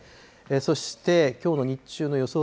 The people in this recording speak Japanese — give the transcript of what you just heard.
そしてきょうの日中の予想